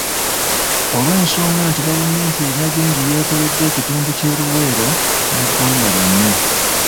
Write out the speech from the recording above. Olw'ensonga nti gavumenti erina bingi by'ekoledde ekitundu ky'e Luweero n'eggwanga lyonna.